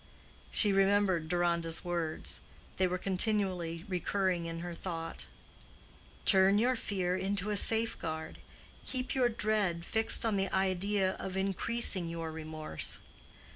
She remembered Deronda's words: they were continually recurring in her thought, "Turn your fear into a safeguard. Keep your dread fixed on the idea of increasing your remorse.